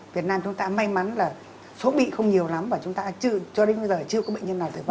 việt nam chúng ta may mắn là số bị không nhiều lắm và chúng ta cho đến bây giờ chưa có bệnh nhân nào